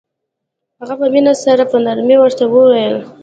هغه په مينه سره په نرمۍ ورته وويل.